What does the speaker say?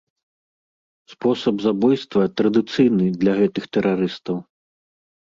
Спосаб забойства традыцыйны для гэтых тэрарыстаў.